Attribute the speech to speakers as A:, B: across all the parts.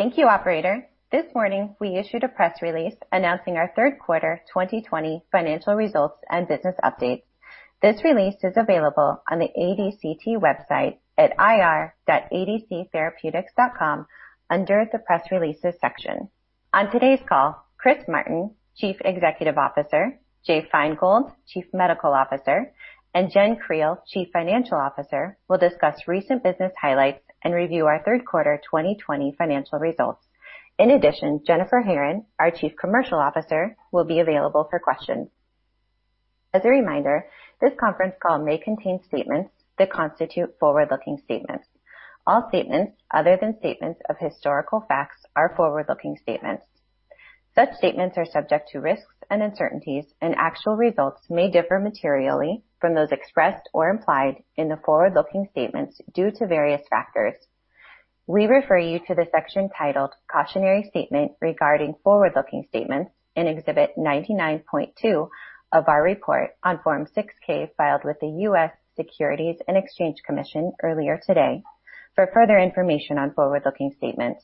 A: Thank you, operator. This morning we issued a press release announcing our third quarter 2020 financial results and business updates. This release is available on the ADCT website at ir.adctherapeutics.com under the Press Releases section. On today's call, Chris Martin, Chief Executive Officer, Jay Feingold, Chief Medical Officer, and Jenn Creel, Chief Financial Officer, will discuss recent business highlights and review our third quarter 2020 financial results. In addition, Jennifer Buell, our Chief Commercial Officer, will be available for questions. As a reminder, this conference call may contain statements that constitute forward-looking statements. All statements other than statements of historical facts are forward-looking statements. Such statements are subject to risks and uncertainties, and actual results may differ materially from those expressed or implied in the forward-looking statements due to various factors. We refer you to the section titled "Cautionary Statement Regarding Forward-Looking Statements" in Exhibit 99.2 of our report on Form 6-K filed with the U.S. Securities and Exchange Commission earlier today for further information on forward-looking statements.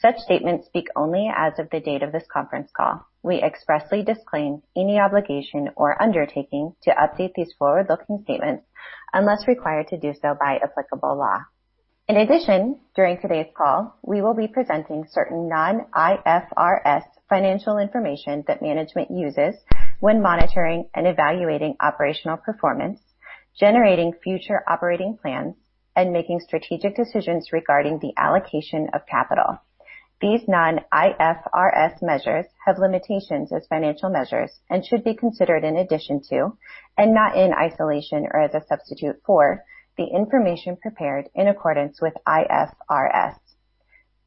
A: Such statements speak only as of the date of this conference call. We expressly disclaim any obligation or undertaking to update these forward-looking statements unless required to do so by applicable law. In addition, during today's call, we will be presenting certain non-IFRS financial information that management uses when monitoring and evaluating operational performance, generating future operating plans, and making strategic decisions regarding the allocation of capital. These non-IFRS measures have limitations as financial measures and should be considered in addition to, and not in isolation or as a substitute for, the information prepared in accordance with IFRS.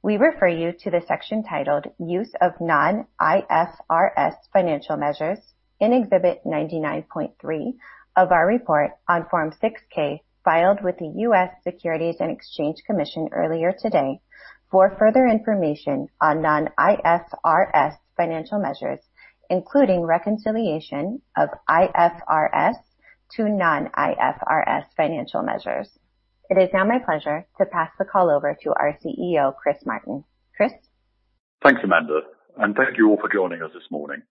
A: We refer you to the section titled "Use of Non-IFRS Financial Measures" in Exhibit 99.3 of our report on Form 6-K filed with the U.S. Securities and Exchange Commission earlier today for further information on non-IFRS financial measures, including reconciliation of IFRS to non-IFRS financial measures. It is now my pleasure to pass the call over to our CEO, Chris Martin. Chris?
B: Thanks, Amanda. Thank you all for joining us this morning.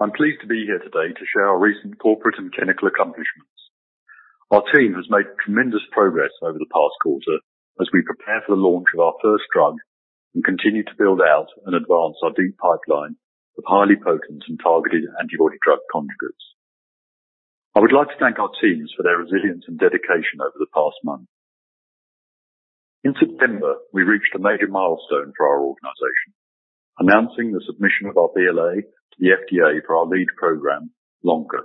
B: I'm pleased to be here today to share our recent corporate and clinical accomplishments. Our team has made tremendous progress over the past quarter as we prepare for the launch of our first drug and continue to build out and advance our deep pipeline of highly potent and targeted antibody-drug conjugates. I would like to thank our teams for their resilience and dedication over the past month. In September, we reached a major milestone for our organization, announcing the submission of our BLA to the FDA for our lead program, Lonca,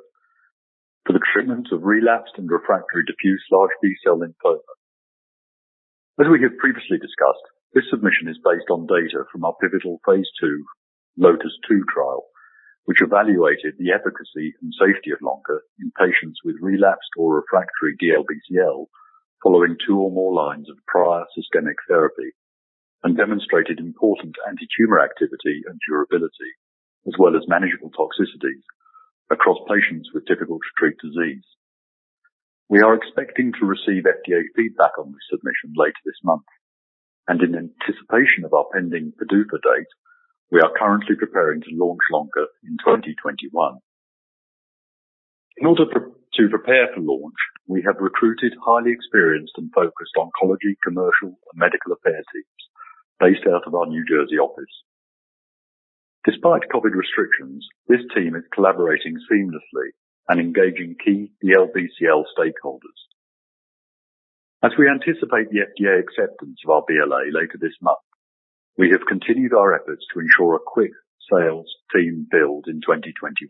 B: for the treatment of relapsed and refractory diffuse large B-cell lymphoma. As we have previously discussed, this submission is based on data from our pivotal phase II LOTIS-2 trial, which evaluated the efficacy and safety of Lonca in patients with relapsed or refractory DLBCL following two or more lines of prior systemic therapy, and demonstrated important antitumor activity and durability as well as manageable toxicities across patients with difficult-to-treat disease. We are expecting to receive FDA feedback on this submission later this month. In anticipation of our pending PDUFA date, we are currently preparing to launch Lonca in 2021. In order to prepare for launch, we have recruited highly experienced and focused oncology, commercial, and medical affairs teams based out of our New Jersey office. Despite COVID restrictions, this team is collaborating seamlessly and engaging key DLBCL stakeholders. As we anticipate the FDA acceptance of our BLA later this month, we have continued our efforts to ensure a quick sales team build in 2021,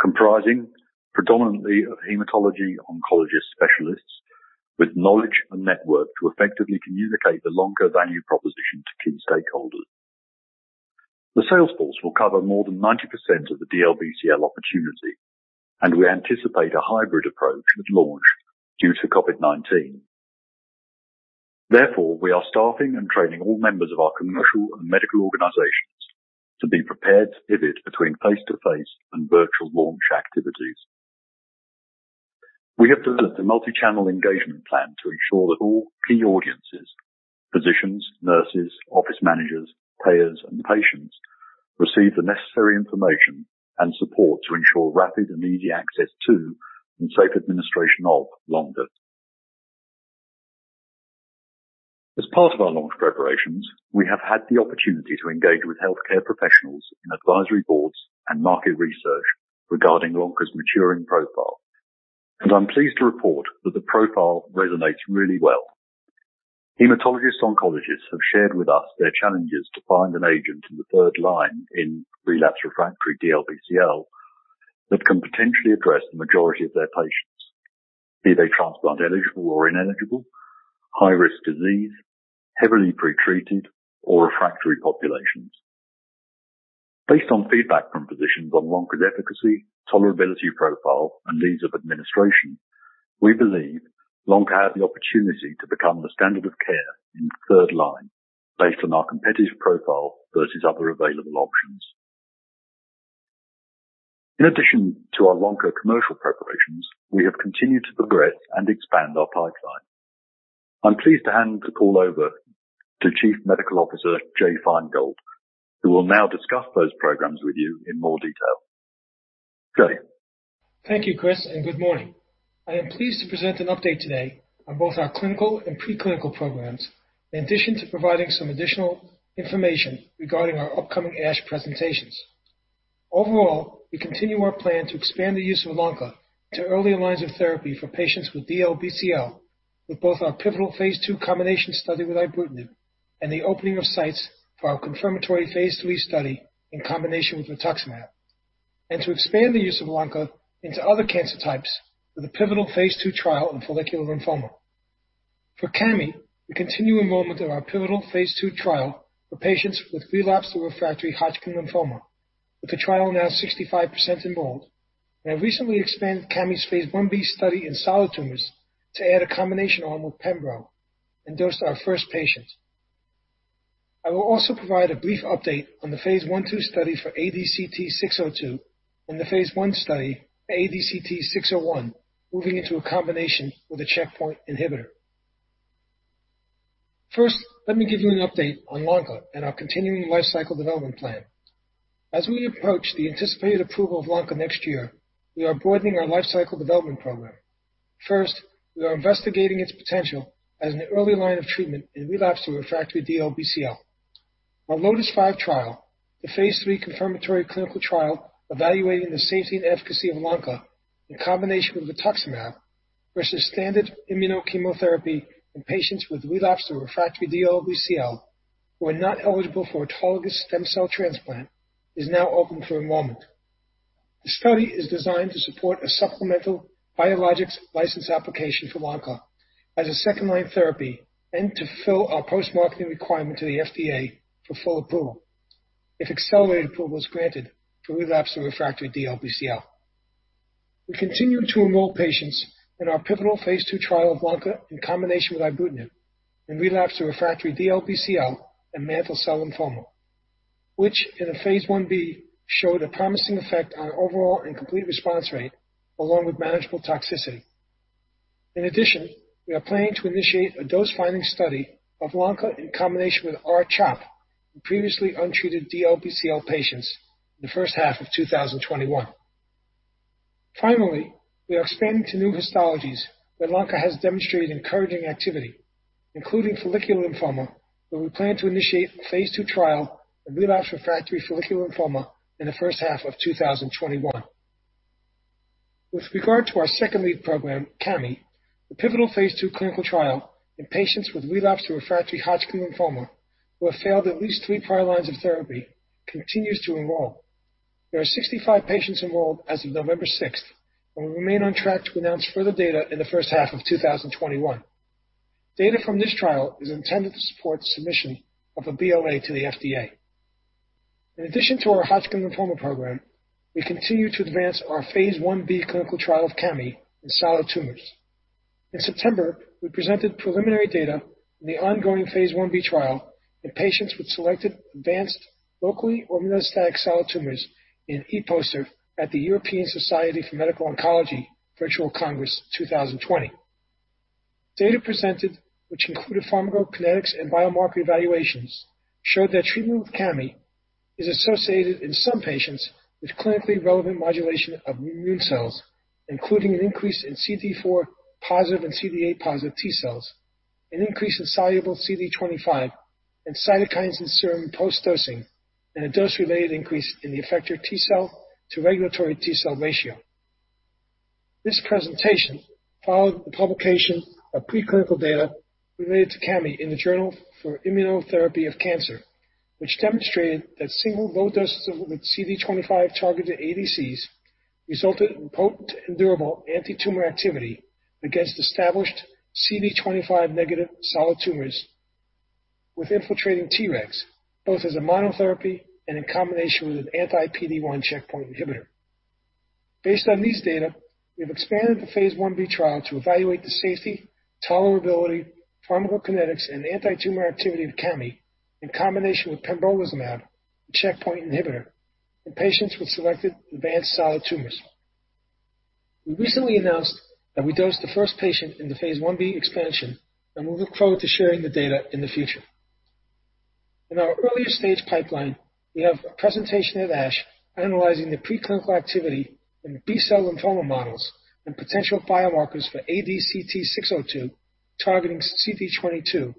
B: comprising predominantly of hematology oncologist specialists with knowledge and network to effectively communicate the Lonca value proposition to key stakeholders. The sales force will cover more than 90% of the DLBCL opportunity, and we anticipate a hybrid approach with launch due to COVID-19. Therefore, we are staffing and training all members of our commercial and medical organizations to be prepared to pivot between face-to-face and virtual launch activities. We have developed a multi-channel engagement plan to ensure that all key audiences, physicians, nurses, office managers, payers, and patients receive the necessary information and support to ensure rapid and easy access to, and safe administration of, Lonca. As part of our launch preparations, we have had the opportunity to engage with healthcare professionals in advisory boards and market research regarding Lonca's maturing profile, and I'm pleased to report that the profile resonates really well. Hematologist oncologists have shared with us their challenges to find an agent in the third line in relapse refractory DLBCL that can potentially address the majority of their patients, be they transplant eligible or ineligible, high-risk disease, heavily pretreated, or refractory populations. Based on feedback from physicians on Lonca's efficacy, tolerability profile, and ease of administration, we believe Lonca has the opportunity to become the standard of care in third line based on our competitive profile versus other available options. In addition to our Lonca commercial preparations, we have continued to progress and expand our pipeline. I'm pleased to hand the call over to Chief Medical Officer, Jay Feingold, who will now discuss those programs with you in more detail. Jay.
C: Thank you, Chris. Good morning. I am pleased to present an update today on both our clinical and pre-clinical programs, in addition to providing some additional information regarding our upcoming ASH presentations. Overall, we continue our plan to expand the use of Lonca into earlier lines of therapy for patients with DLBCL, with both our pivotal phase II combination study with ibrutinib and the opening of sites for our confirmatory phase III study in combination with rituximab. To expand the use of Lonca into other cancer types with a pivotal phase II trial in follicular lymphoma. For Cami, we continue enrollment in our pivotal phase II trial for patients with relapsed or refractory Hodgkin lymphoma. With the trial now 65% enrolled, we have recently expanded Cami's phase I-B study in solid tumors to add a combination arm with pembrolizumab and dosed our first patient. I will also provide a brief update on the phase I/II study for ADCT-602 and the phase I study for ADCT-601, moving into a combination with a checkpoint inhibitor. Let me give you an update on Lonca and our continuing life cycle development plan. As we approach the anticipated approval of Lonca next year, we are broadening our life cycle development program. We are investigating its potential as an early line of treatment in relapsed or refractory DLBCL. Our LOTIS-5 trial, the phase III confirmatory clinical trial evaluating the safety and efficacy of Lonca in combination with rituximab versus standard immuno-chemotherapy in patients with relapsed or refractory DLBCL who are not eligible for autologous stem cell transplant, is now open for enrollment. The study is designed to support a supplemental Biologics License Application for Lonca as a second-line therapy and to fulfill our post-marketing requirement to the FDA for full approval if accelerated approval is granted for relapsed or refractory DLBCL. We continue to enroll patients in our pivotal phase II trial of Lonca in combination with ibrutinib in relapsed or refractory DLBCL and mantle cell lymphoma. Which in a phase I-B showed a promising effect on overall and complete response rate, along with manageable toxicity. We are planning to initiate a dose-finding study of Lonca in combination with R-CHOP in previously untreated DLBCL patients in the first half of 2021. We are expanding to new histologies where Lonca has demonstrated encouraging activity, including follicular lymphoma, where we plan to initiate a phase II trial in relapsed refractory follicular lymphoma in the first half of 2021. With regard to our second lead program, Cami, the pivotal phase II clinical trial in patients with relapsed refractory Hodgkin lymphoma who have failed at least three prior lines of therapy continues to enroll. There are 65 patients enrolled as of November 6th, and we remain on track to announce further data in the first half of 2021. Data from this trial is intended to support submission of a BLA to the FDA. In addition to our Hodgkin lymphoma program, we continue to advance our phase I-B clinical trial of Cami in solid tumors. In September, we presented preliminary data in the ongoing phase I-B trial in patients with selected advanced locally or metastatic solid tumors in ePoster at the European Society for Medical Oncology Virtual Congress 2020. Data presented, which included pharmacokinetics and biomarker evaluations, showed that treatment with Cami is associated in some patients with clinically relevant modulation of immune cells, including an increase in CD4 positive and CD8 positive T-cells, an increase in soluble CD25, and cytokines in serum post-dosing, and a dose-related increase in the effector T-cell to regulatory T-cell ratio. This presentation followed the publication of pre-clinical data related to Cami in the Journal for ImmunoTherapy of Cancer, which demonstrated that single low doses of CD25-targeted ADCs resulted in potent and durable antitumor activity against established CD25 negative solid tumors with infiltrating Tregs, both as a monotherapy and in combination with an anti-PD-1 checkpoint inhibitor. Based on these data, we have expanded the phase I-B trial to evaluate the safety, tolerability, pharmacokinetics, and antitumor activity of Cami in combination with pembrolizumab, a checkpoint inhibitor, in patients with selected advanced solid tumors. We recently announced that we dosed the first patient in the phase I-B expansion, and we look forward to sharing the data in the future. In our earlier stage pipeline, we have a presentation at ASH analyzing the preclinical activity in the B-cell lymphoma models and potential biomarkers for ADCT-602 targeting CD22,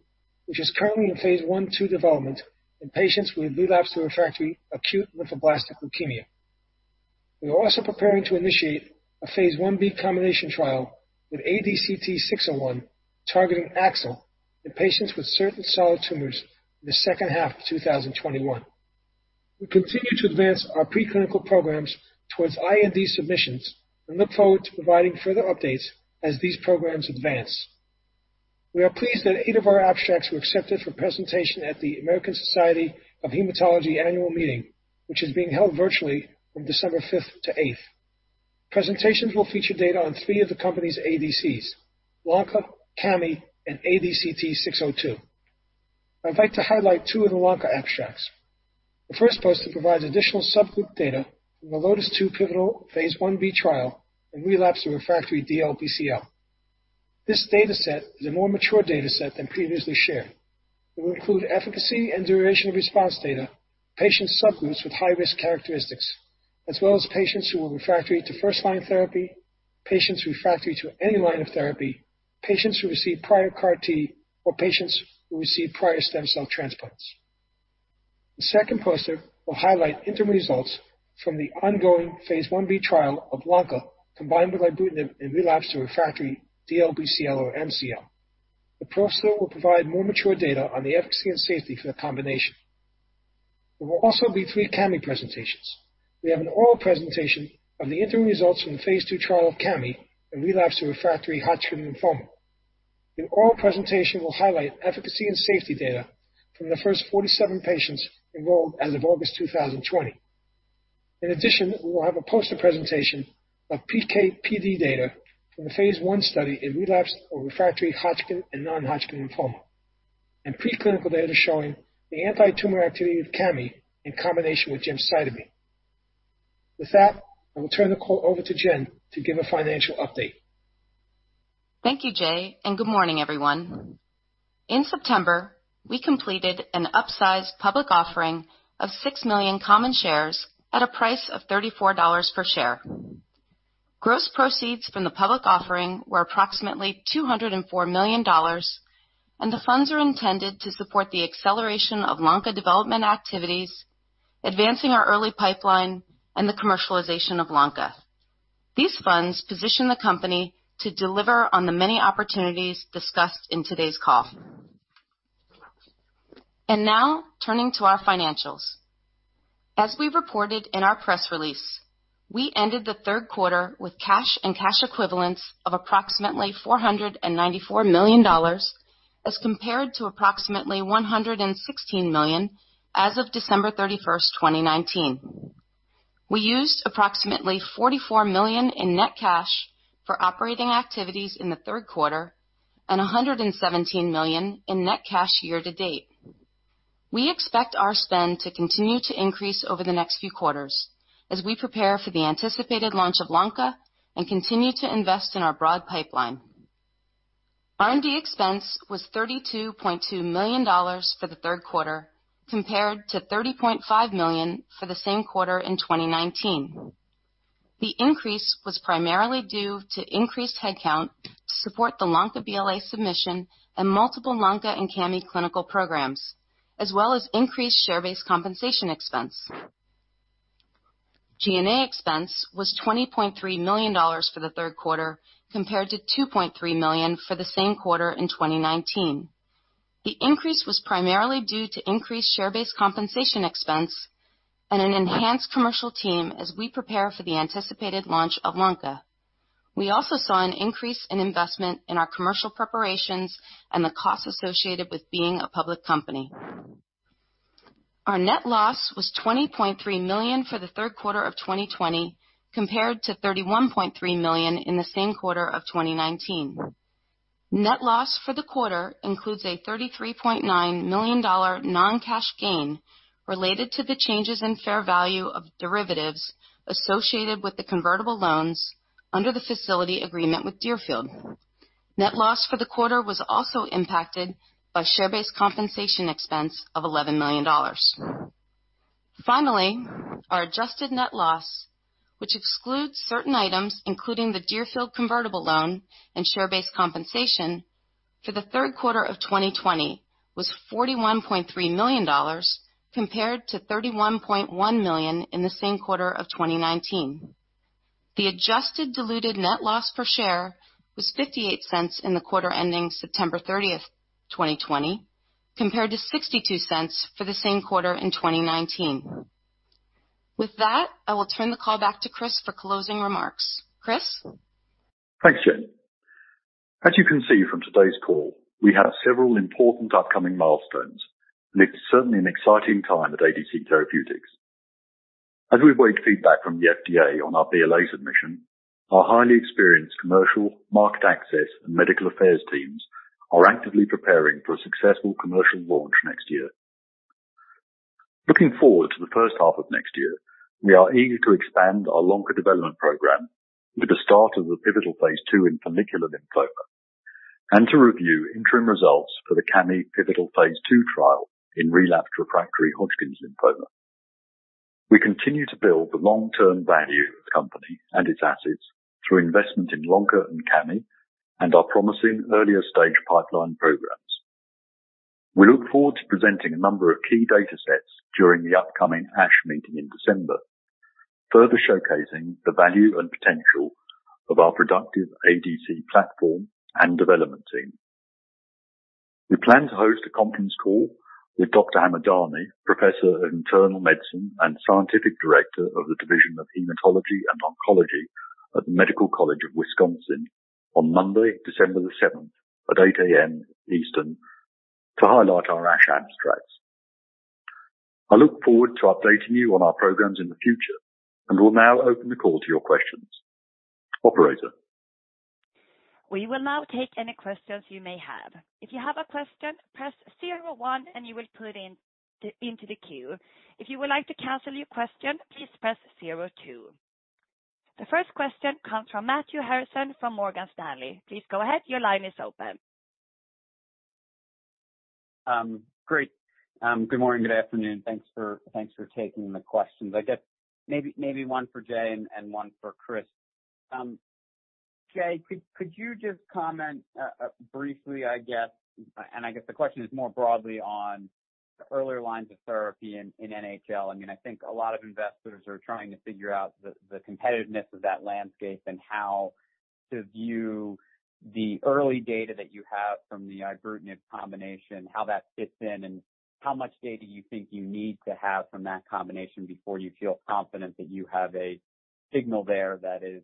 C: which is currently in phase I/II development in patients with relapsed or refractory acute lymphoblastic leukemia. We are also preparing to initiate a phase I-B combination trial with ADCT-601 targeting AXL in patients with certain solid tumors in the second half of 2021. We continue to advance our preclinical programs towards IND submissions and look forward to providing further updates as these programs advance. We are pleased that eight of our abstracts were accepted for presentation at the American Society of Hematology Annual Meeting, which is being held virtually from December 5th to 8th. Presentations will feature data on three of the company's ADCs, Lonca, Cami, and ADCT-602. I'd like to highlight two of the Lonca abstracts. The first poster provides additional subgroup data from the LOTIS-2 pivotal phase I-B trial in relapsed or refractory DLBCL. This data set is a more mature data set than previously shared. It will include efficacy and duration of response data for patient subgroups with high-risk characteristics, as well as patients who were refractory to first-line therapy, patients refractory to any line of therapy, patients who received prior CAR T, or patients who received prior stem cell transplants. The second poster will highlight interim results from the ongoing phase I-B trial of Lonca combined with ibrutinib in relapsed or refractory DLBCL or MCL. The poster will provide more mature data on the efficacy and safety for the combination. There will also be three Cami presentations. We have an oral presentation of the interim results from the phase II trial of Cami in relapsed or refractory Hodgkin lymphoma. An oral presentation will highlight efficacy and safety data from the first 47 patients enrolled as of August 2020. In addition, we will have a poster presentation of PK/PD data from the phase I study in relapsed or refractory Hodgkin and non-Hodgkin lymphoma, and preclinical data showing the anti-tumor activity of Cami in combination with gemcitabine. With that, I will turn the call over to Jenn to give a financial update.
D: Thank you, Jay, and good morning, everyone. In September, we completed an upsized public offering of 6 million common shares at a price of $34 per share. Gross proceeds from the public offering were approximately $204 million, and the funds are intended to support the acceleration of Lonca development activities, advancing our early pipeline, and the commercialization of Lonca. These funds position the company to deliver on the many opportunities discussed in today's call. Now turning to our financials. As we reported in our press release, we ended the third quarter with cash and cash equivalents of approximately $494 million as compared to approximately $116 million as of December 31st, 2019. We used approximately $44 million in net cash for operating activities in the third quarter and $117 million in net cash year-to-date. We expect our spend to continue to increase over the next few quarters as we prepare for the anticipated launch of Lonca and continue to invest in our broad pipeline. R&D expense was $32.2 million for the third quarter, compared to $30.5 million for the same quarter in 2019. The increase was primarily due to increased headcount to support the Lonca BLA submission and multiple Lonca and Cami clinical programs, as well as increased share-based compensation expense. G&A expense was $20.3 million for the third quarter, compared to $2.3 million for the same quarter in 2019. The increase was primarily due to increased share-based compensation expense and an enhanced commercial team as we prepare for the anticipated launch of Lonca. We also saw an increase in investment in our commercial preparations and the costs associated with being a public company. Our net loss was $20.3 million for the third quarter of 2020, compared to $31.3 million in the same quarter of 2019. Net loss for the quarter includes a $33.9 million non-cash gain related to the changes in fair value of derivatives associated with the convertible loans under the facility agreement with Deerfield. Net loss for the quarter was also impacted by share-based compensation expense of $11 million. Finally, our adjusted net loss, which excludes certain items including the Deerfield convertible loan and share-based compensation for the third quarter of 2020, was $41.3 million, compared to $31.1 million in the same quarter of 2019. The adjusted diluted net loss per share was $0.58 in the quarter ending September 30th, 2020, compared to $0.62 for the same quarter in 2019. With that, I will turn the call back to Chris for closing remarks. Chris?
B: Thanks, Jenn. As you can see from today's call, we have several important upcoming milestones, and it's certainly an exciting time at ADC Therapeutics. As we await feedback from the FDA on our BLA submission, our highly experienced commercial, market access, and medical affairs teams are actively preparing for a successful commercial launch next year. Looking forward to the first half of next year, we are eager to expand our Lonca development program with the start of the pivotal phase II in follicular lymphoma and to review interim results for the Cami pivotal phase II trial in relapsed/refractory Hodgkin lymphoma. We continue to build the long-term value of the company and its assets through investment in Lonca and Cami and our promising earlier-stage pipeline programs. We look forward to presenting a number of key data sets during the upcoming ASH meeting in December, further showcasing the value and potential of our productive ADC platform and development team. We plan to host a conference call with Dr. Hamadani, Professor of Internal Medicine and Scientific Director of the Division of Hematology and Oncology at the Medical College of Wisconsin on Monday, December the 7th at 8:00 A.M. Eastern to highlight our ASH abstracts. I look forward to updating you on our programs in the future and will now open the call to your questions. Operator?
E: We will now take any questions you may have. If you have a question, press zero one and you will put in to the queue. If you would like to cancel your question, please press zero two. The first question comes from Matthew Harrison from Morgan Stanley. Please go ahead. Your line is open.
F: Great. Good morning, good afternoon. Thanks for taking the questions. I guess maybe one for Jay and one for Chris. Jay, could you just comment, briefly, I guess the question is more broadly on earlier lines of therapy in NHL. I think a lot of investors are trying to figure out the competitiveness of that landscape and how to view the early data that you have from the ibrutinib combination, how that fits in, and how much data you think you need to have from that combination before you feel confident that you have a signal there that is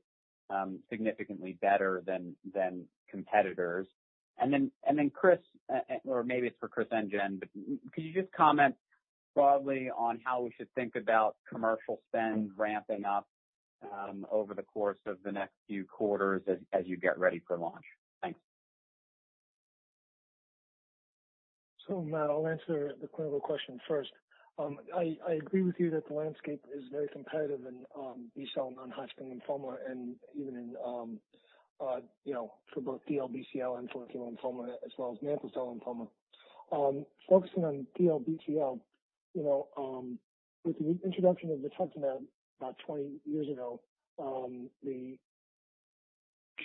F: significantly better than competitors. Then Chris, or maybe it's for Chris and Jenn, but could you just comment broadly on how we should think about commercial spend ramping up over the course of the next few quarters as you get ready for launch? Thanks.
C: Matt, I'll answer the clinical question first. I agree with you that the landscape is very competitive in B-cell non-Hodgkin lymphoma and even in for both DLBCL and follicular lymphoma, as well as mantle cell lymphoma. Focusing on DLBCL, with the introduction of rituximab about 20 years ago, the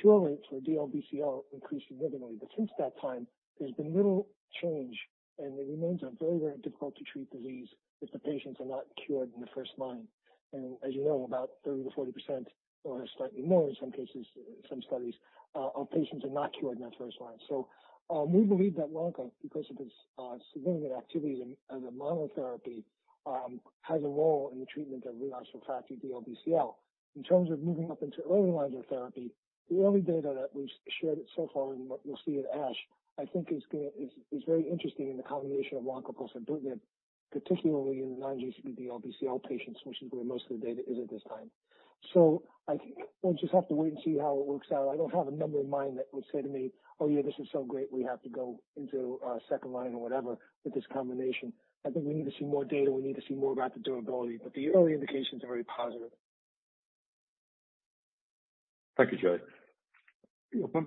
C: cure rate for DLBCL increased significantly. Since that time, there's been little change, and it remains a very difficult-to-treat disease if the patients are not cured in the first line. As you know, about 30%-40%, or slightly more in some cases, some studies, of patients are not cured in that first line. We believe that Lonca, because of its significant activities as a monotherapy, has a role in the treatment of relapsed refractory DLBCL. In terms of moving up into earlier lines of therapy, the only data that we've shared so far and what you'll see at ASH, I think is very interesting in the combination of Lonca plus ibrutinib, particularly in the non-GCB DLBCL patients, which is where most of the data is at this time. I think we'll just have to wait and see how it works out. I don't have a number in mind that would say to me, "Oh, yeah, this is so great, we have to go into second line or whatever with this combination." I think we need to see more data. We need to see more about the durability. The early indications are very positive.
B: Thank you, Jay.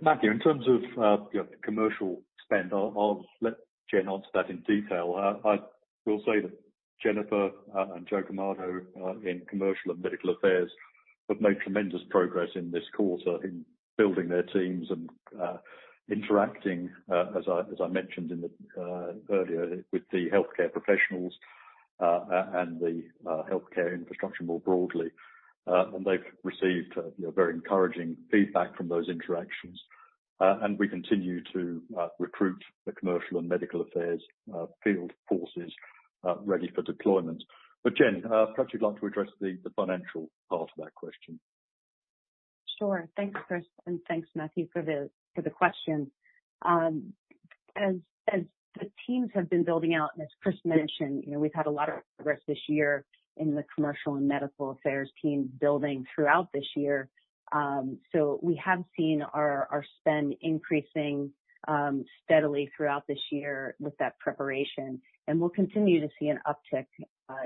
B: Matthew, in terms of commercial spend, I'll let Jenn answer that in detail. I will say that Jennifer and Joseph Camardo in commercial and medical affairs have made tremendous progress in this quarter in building their teams and interacting, as I mentioned earlier, with the healthcare professionals, and the healthcare infrastructure more broadly. They've received very encouraging feedback from those interactions. We continue to recruit the commercial and medical affairs field forces, ready for deployment. Jenn perhaps you'd like to address the financial part of that question.
D: Sure. Thanks, Chris, and thanks, Matthew, for the question. As the teams have been building out, and as Chris mentioned, we've had a lot of progress this year in the commercial and medical affairs teams building throughout this year. We have seen our spend increasing steadily throughout this year with that preparation, and we'll continue to see an uptick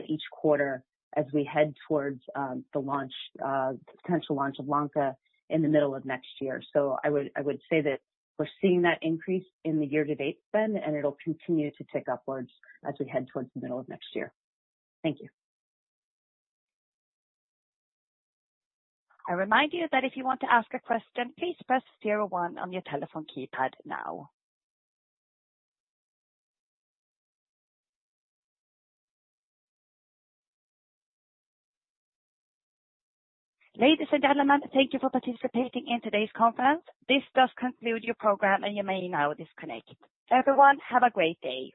D: each quarter as we head towards the potential launch of Lonca in the middle of next year. I would say that we're seeing that increase in the year-to-date spend, and it'll continue to tick upwards as we head towards the middle of next year. Thank you.
E: I remind you that if you want to ask a question, please press zero one on your telephone keypad now. Ladies and gentlemen, thank you for participating in today's conference. This does conclude your program, and you may now disconnect. Everyone, have a great day.